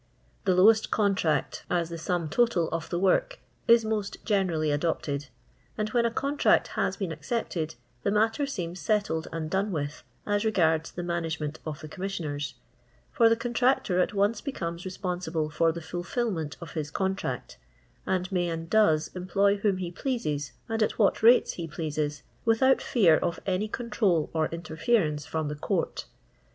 The lowest contract, as the sum total of the w ork, is most generally adopted, and when a contract has been accepted, the matter seems •etlled and done with, as regards the roana; re ment of the Commissioners ; for the contnictor at once becomes responsible for the fulfilment of his contract, and may and does employ whom he pleases aud at what rates he j'^easa, without fear of any control or interference from the Court.